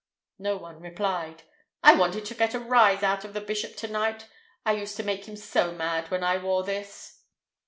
No one replied. "I wanted to get a rise out of the bishop to night. It used to make him so mad when I wore this."